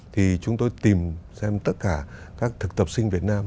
thì chúng tôi tìm xem tất cả các thực tập sinh việt nam